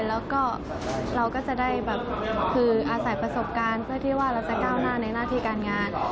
แล้วก็เราก็จะได้แบบคืออาศัยประสบการณ์เพื่อที่ว่าเราจะก้าวหน้าในหน้าที่การงาน